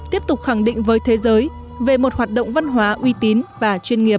tiếp tục khẳng định với thế giới về một hoạt động văn hóa uy tín và chuyên nghiệp